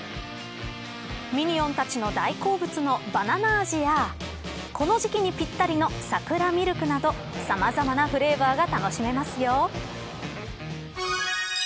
ミニオンたちの大好物のバナナ味やこの時期にぴったりのさくらミルクなどさまざまなフレーバーが楽しめますよ。